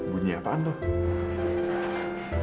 bunyi apaan tuh